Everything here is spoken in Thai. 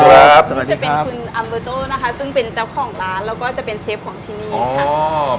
นี่จะเป็นคุณอัมเบอร์โจ้นะคะซึ่งเป็นเจ้าของร้านแล้วก็จะเป็นเชฟของที่นี่ค่ะ